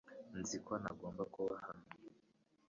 Nzi ko ntagomba kuba hano